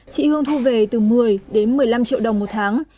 chị hương thu về từ một mươi đến một mươi năm triệu đồng một tháng